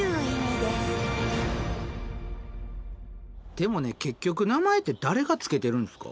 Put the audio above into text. でもね結局名前って誰が付けてるんですか？